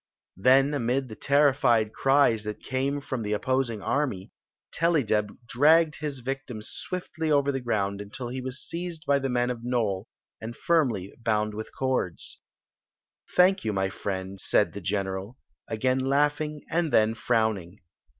Then, amid the terrified cries that came from the opposing am^, TeU^^tb db^^d his victiir swi^ Story of the Magic Cloak over the ground until he was seized by the men of Nole and firmly bound with cords. Thank you. my friend,'* said the general. again laughing and then frowning.